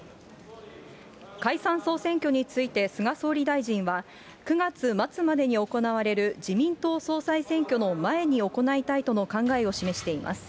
解散・総選挙について菅総理大臣は、９月末までに行われる自民党総裁選挙の前に行いたいとの考えを示しています。